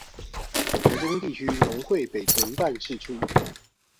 臺中地區農會北屯辦事處